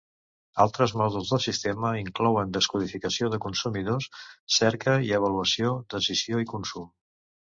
Altres mòduls del sistema inclouen, descodificació de consumidors, cerca i avaluació, decisió i consum.